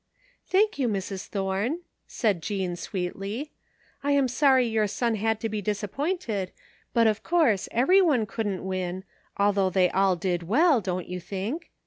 " Thank you, Mrs. Thorne," said Jean sweetly, " I am sorry your son had to be disappointed, but of course everyone couldn't win, although they all did well, don't you think